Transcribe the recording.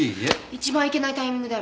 一番いけないタイミングである。